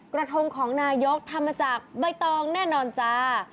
กระทงของนายกทำมาจากใบตองแน่นอนจ้า